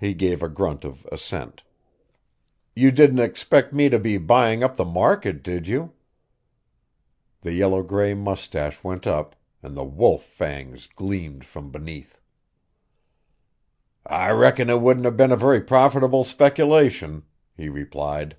He gave a grunt of assent. "You didn't expect me to be buying up the market, did you?" The yellow gray mustache went up, and the wolf fangs gleamed from beneath. "I reckon it wouldn't have been a very profitable speculation," he replied.